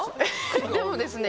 でもですね